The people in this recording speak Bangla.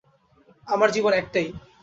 আমার জীবন একটাই!